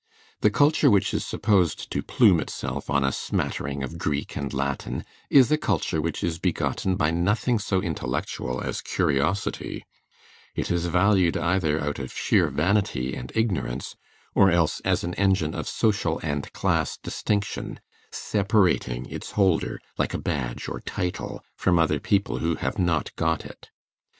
The culture which is supposed to plume itself on a smattering of Greek and Latin is a culture which is begotten by nothing so intellectual as curiosity; it is valued either out of sheer vanity and ignorance, or else as an engine of social and class distinction, separating its holder, like a badge or title, from other people who have not got it.